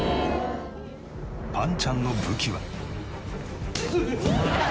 ぱんちゃんの武器は。